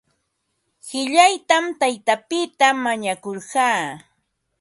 Qillaytam taytapita mañakurqaa.